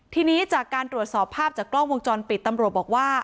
ทีนี้จากการตรวจสอบภาพจากกล้องวงจรปิดตำรวจบอกว่า